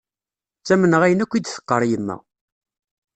Ttamneɣ ayen akk i d-teqqar yemma.